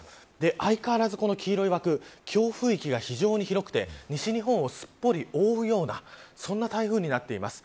相変わらず黄色い枠強風域が非常に広く西日本をすっぽり覆うようなそんな台風になっています。